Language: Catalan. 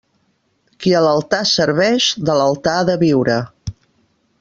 Qui a l'altar serveix de l'altar ha de viure.